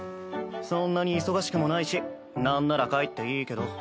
そんなに忙しくもないしなんなら帰っていいけど。